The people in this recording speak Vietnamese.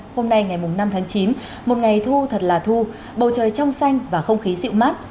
hôm nay ngày năm tháng chín một ngày thu thật là thu bầu trời trong xanh và không khí dịu mát